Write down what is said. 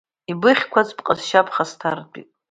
Ибыхьқәаз бҟазшьа ԥхасҭартәит.